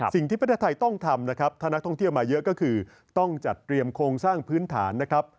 สิ่งที่ประเทศไทยต้องทำนะครับถ้านักท่องเที่ยวมาเยอะก็คือต้องจัดเตรียมโครงสร้างพื้นฐานนะครับ